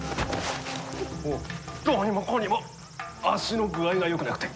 どうにもこうにも足の具合がよくなくて。